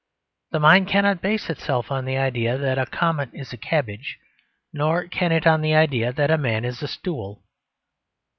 The mind cannot base itself on the idea that a comet is a cabbage; nor can it on the idea that a man is a stool.